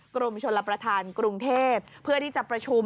กรมชลประธานกรุงเทพเพื่อที่จะประชุม